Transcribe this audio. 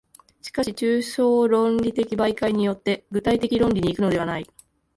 しかし抽象論理的媒介によって具体的論理に行くのではない。